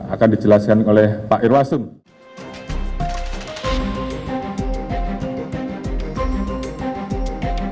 akan dijelaskan oleh pak irwasum